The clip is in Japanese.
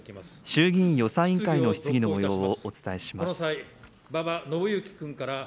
衆議院予算委員会の質疑のもようをお伝えします。